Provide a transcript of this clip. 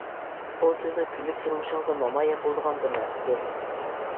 ئۇ سىزنىڭ كۈنلۈك تۇرمۇشىڭىزدا نامايان بولىدىغان بىر نەرسىدۇر.